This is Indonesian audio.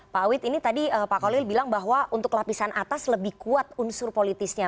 pak awit ini tadi pak kolil bilang bahwa untuk lapisan atas lebih kuat unsur politisnya